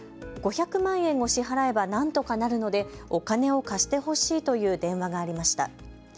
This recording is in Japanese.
５００万円を支払えば何とかなるのでお金を貸してほしいという電話がありました。